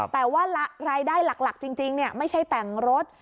แต่ว่ารายได้หลักจริงไม่ใช่แต่งรถ